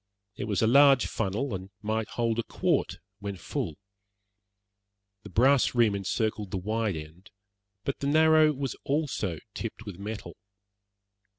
It was a large funnel, and might hold a quart when full. The brass rim encircled the wide end, but the narrow was also tipped with metal.